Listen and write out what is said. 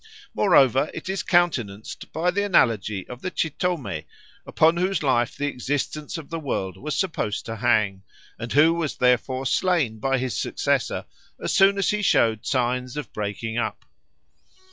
Moreover, it is countenanced by the analogy of the Chitomé, upon whose life the existence of the world was supposed to hang, and who was therefore slain by his successor as soon as he showed signs of breaking up.